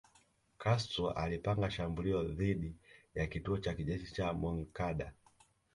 Castro alipanga shambulio dhidi ya kituo cha kijeshi cha Moncada